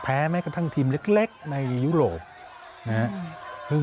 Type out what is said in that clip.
แม้กระทั่งทีมเล็กในยุโรปนะครับ